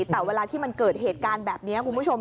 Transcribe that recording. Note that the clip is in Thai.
แต่เวลาที่มันเกิดเหตุการณ์แบบนี้คุณผู้ชม